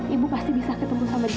ibu pasti bisa ketemu sama dia